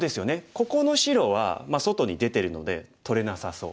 ここの白は外に出てるので取れなさそう。